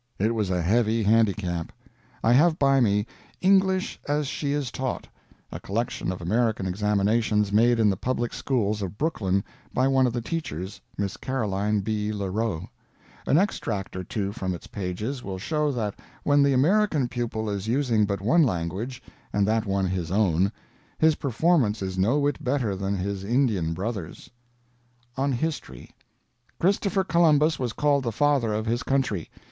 It was a heavy handicap. I have by me "English as She is Taught" a collection of American examinations made in the public schools of Brooklyn by one of the teachers, Miss Caroline B. Le Row. An extract or two from its pages will show that when the American pupil is using but one language, and that one his own, his performance is no whit better than his Indian brother's: "ON HISTORY. "Christopher Columbus was called the father of his Country.